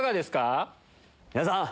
皆さん！